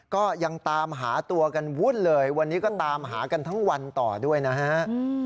ก็ยังตามหาตัวกันวุ่นเลยวันนี้ก็ตามหากันทั้งวันต่อด้วยนะฮะ